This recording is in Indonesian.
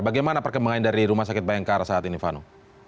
bagaimana perkembangan dari rumah sakit bayangkara saat ini vano